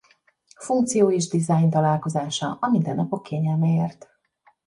Funkció és Design találkozása a mindennapok kényelméért.